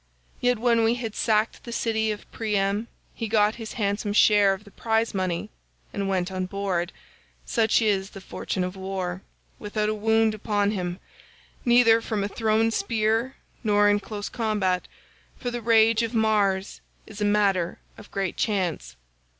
Yet when we had sacked the city of Priam he got his handsome share of the prize money and went on board (such is the fortune of war) without a wound upon him, neither from a thrown spear nor in close combat, for the rage of Mars is a matter of great chance.